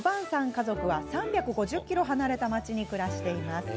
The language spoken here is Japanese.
家族は３５０ｋｍ離れた町に暮らしています。